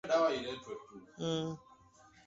vifo nyumbu vinasababishwa na maumivu ya uchovu